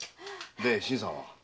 で新さんは？